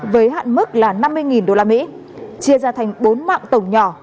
với hạn mức là năm mươi usd chia ra thành bốn mạng tổng nhỏ